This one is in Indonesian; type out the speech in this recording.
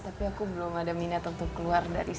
tapi aku belum ada minat untuk keluar dari sini